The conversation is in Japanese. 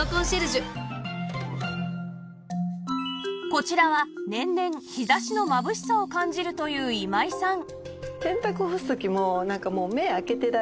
こちらは年々日差しのまぶしさを感じるという今井さん